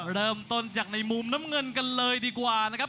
เริ่มต้นจากในมุมน้ำเงินกันเลยดีกว่านะครับ